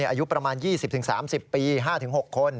อายุประมาณ๒๐๓๐ปี๕๖คน